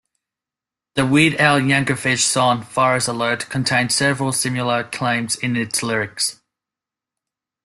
The "Weird Al" Yankovic song "Virus Alert" contains several similar claims in its lyrics.